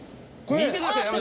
見てください。